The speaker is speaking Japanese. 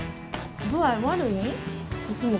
具合悪いん？